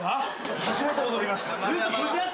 初めて踊りました。